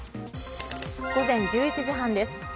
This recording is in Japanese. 午前１１時半です。